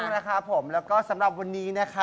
ถูกต้องนะครับผม